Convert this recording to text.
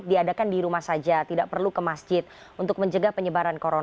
inilah tanggung jawab